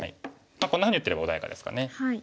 こんなふうに打ってれば穏やかですかね。